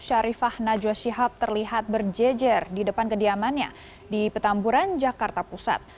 syarifah najwa shihab terlihat berjejer di depan kediamannya di petamburan jakarta pusat